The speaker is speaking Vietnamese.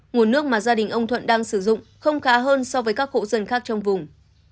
nguồn nước mà gia đình ông thuận đang sử dụng không khá hơn so với các hộ dân khác trong vùng